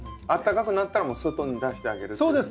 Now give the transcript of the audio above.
あったかくなったらもう外に出してあげるっていう。